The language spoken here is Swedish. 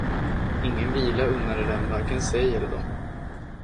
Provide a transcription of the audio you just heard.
Ingen vila unnade den varken sig eller dem.